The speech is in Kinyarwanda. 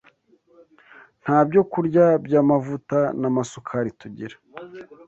nta byokurya by’amavuta n’amasukari tugira.